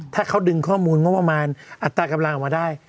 ถ้าเขาดึงข้อมูลงบประมาณอัตรากำลังออกมาได้